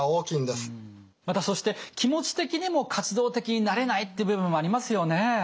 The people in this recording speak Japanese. またそして気持ち的にも活動的になれないって部分もありますよね。